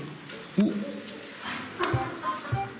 おっ！